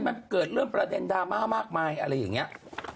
มันเกิดเรื่องประเด็นดราม่ามากมายอะไรอย่างนี้